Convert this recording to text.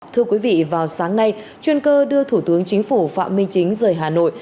thưa quý vị vào sáng nay chuyên cơ đưa thủ tướng chính phủ phạm minh chính rời hà nội